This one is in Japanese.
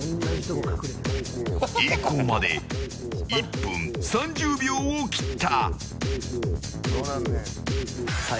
栄光まで１分３０秒を切った。